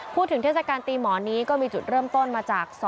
เทศกาลตีหมอนนี้ก็มีจุดเริ่มต้นมาจาก